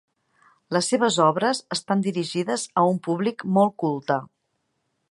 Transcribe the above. Les seves obres estan dirigides a un públic molt culte.